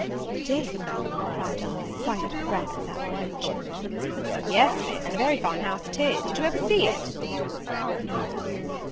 "You did!" cried I, quite out of breath with apprehension. "Yes, Miss, and a very fine house it is. Did you ever see it?" "No."